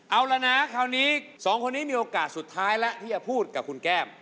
เอาละนะคราวนี้สองคนนี้มีโอกาสสุดท้ายแล้วที่จะพูดกับคุณแก้ม